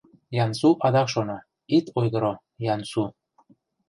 Ян-Су адак шона: «Ит ойгыро, Ян-Су.